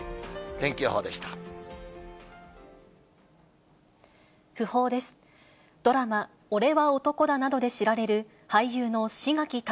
天気予報でした。